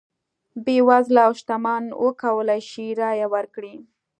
بېوزله او شتمن وکولای شي رایه ورکړي.